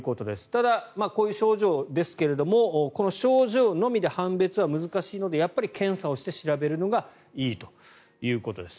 ただ、こういう症状ですがこの症状のみで判別は難しいのでやっぱり検査をして調べるのがいいということです。